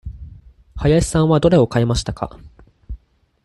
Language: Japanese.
林さんはどれを買いましたか。